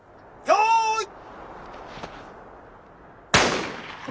よい。